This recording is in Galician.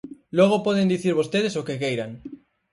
Logo poden dicir vostedes o que queiran.